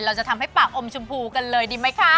เราจะทำให้ปากอมชมพูกันเลยดีไหมคะ